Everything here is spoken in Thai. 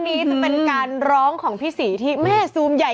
ดีน่ะกินของออร์แกนิคก็สงสารผู้ประกอบการไม่อยากไปซ้ำเติมอะไรแข็งแด๋ว